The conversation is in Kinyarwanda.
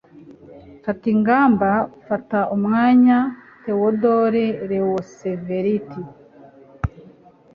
fata ingamba. fata umwanya. - theodore roosevelt